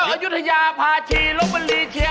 อายุทยาพาชีลงบริเว่า